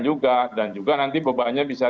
juga dan juga nanti bebannya bisa